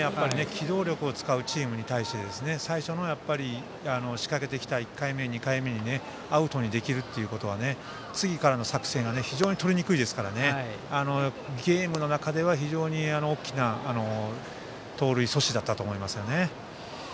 機動力を使うチームに対して最初、仕掛けてきた１回目、２回目にアウトにできるということは次からの作戦が非常にとりにくいですからゲームの中では非常に大きな盗塁阻止だったと思います。